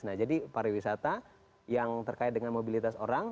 nah jadi pariwisata yang terkait dengan mobilitas orang